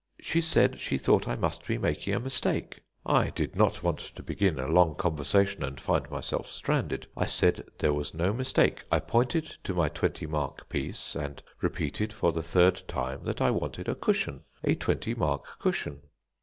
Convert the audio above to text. "She said she thought I must be making a mistake. "I did not want to begin a long conversation and find myself stranded. I said there was no mistake. I pointed to my twenty mark piece, and repeated for the third time that I wanted a cushion, 'a twenty mark cushion.'